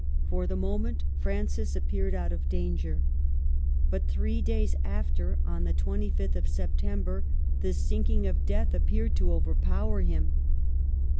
For the moment Francis appeared out of danger. But three days after, on the 25th of September, the sink ing of death appeared to overpower him.